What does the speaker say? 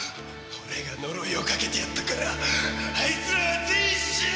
俺が呪いをかけてやったからあいつらは全員死ぬ！